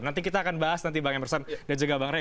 nanti kita akan bahas nanti bang emerson dan juga bang rey